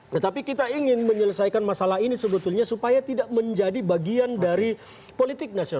tetapi kita ingin menyelesaikan masalah ini sebetulnya supaya tidak menjadi bagian dari politik nasional